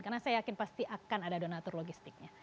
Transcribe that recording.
karena saya yakin pasti akan ada donator logistiknya